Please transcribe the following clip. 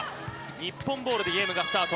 日本ボールでゲームがスタート。